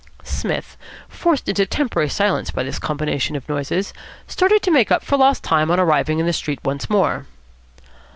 Psmith, forced into temporary silence by this combination of noises, started to make up for lost time on arriving in the street once more.